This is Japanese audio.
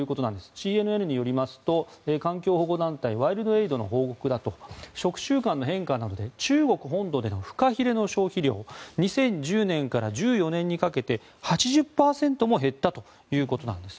ＣＮＮによりますと環境保護団体ワイルドエイドによると食習慣の変化などで中国本土でのフカヒレの消費量が２０１０年から２０１４年にかけて８０％も減ったということなんです。